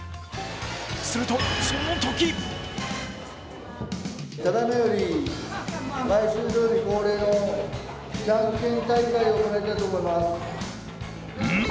すると、そのときん？